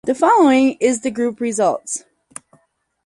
The following is the group results.